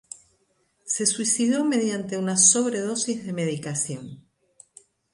Se suicidó mediante una sobredosis de medicación.